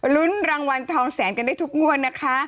ลุ้นรางวัลทองแสนกันได้ทุกงวดนะคะ